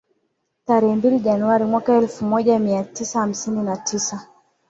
Tarehe mbili Januari mwaka elfu moja mia tisa hamsini na tisa